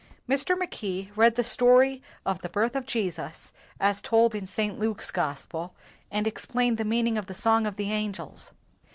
Mr. Mackay read the story of the birth of Jesus, as told in St. Luke's Gospel, and explained the meaning of the song of the angels.